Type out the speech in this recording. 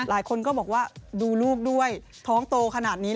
หลายคนก็บอกว่าดูลูกด้วยท้องโตขนาดนี้